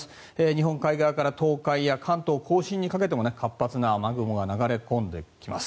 日本海側から東海や関東・甲信にかけても活発な雨雲が流れ込んできます。